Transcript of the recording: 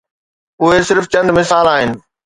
اهي صرف چند مثال آهن.